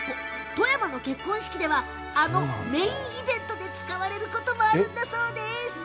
富山の結婚式ではあのメインイベントで使われることもあるんですよ。